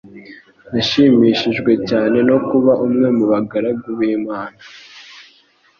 Nashimishijwe cyane no kuba umwe mu bagaragu b'Imana